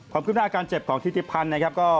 ข้อมคืนอาการเจ็บทิฐิพันธ์นะครับ